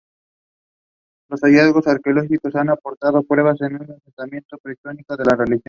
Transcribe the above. Los hallazgos arqueológicos han aportado pruebas de un asentamiento prehistórico en la región.